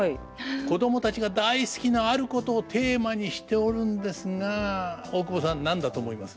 子供たちが大好きなあることをテーマにしておるんですが大久保さん何だと思います？